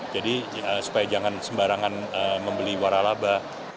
jadi supaya jangan sembarangan membeli waralaba